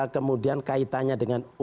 kemudian kaitannya dengan